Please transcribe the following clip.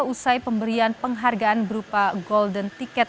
usai pemberian penghargaan berupa golden ticket